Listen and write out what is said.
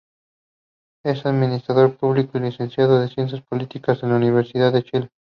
Es administrador público y licenciado de ciencias políticas en la Universidad de Chile.